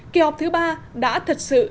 kỳ họp thứ ba đã thật sự